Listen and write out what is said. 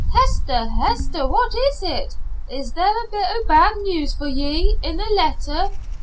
"Hester! Hester! What is it? Is there a bit o' bad news for ye' in the letter?